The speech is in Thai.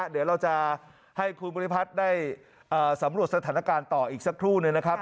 เดี๋ยวเราจะให้คุณภูริพัฒน์ได้สำรวจสถานการณ์ต่ออีกสักครู่หนึ่งนะครับ